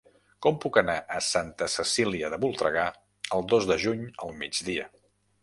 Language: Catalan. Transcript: Com puc anar a Santa Cecília de Voltregà el dos de juny al migdia?